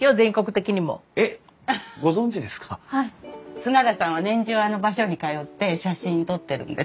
砂田さんは年中あの場所に通って写真撮ってるんです。